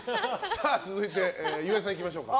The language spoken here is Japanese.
続いて、岩井さんいきましょうか。